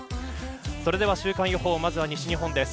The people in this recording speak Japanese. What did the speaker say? それでは週間予報まずは西日本です。